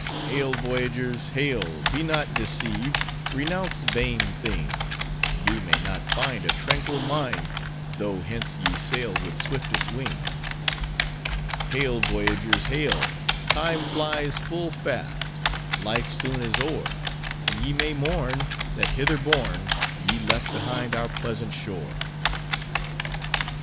Hail! voyagers, hail! Be not deceived; renounce vain things; Ye may not find A tranquil mind, Though hence ye sail with swiftest wings. Hail! voyagers, hail! Time flies full fast; life soon is o'er; And ye may mourn, That hither borne, Ye left behind our pleasant shore.